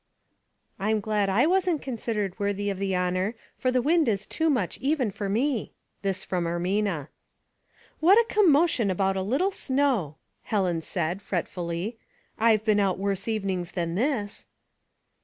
" I'm glad I wasn't considered worthy of the honor, for the wind is too much even for me." This from Ermina. " What a commotion about a little snow !" Helen said, fretfully. " I've been out worse evenings than this."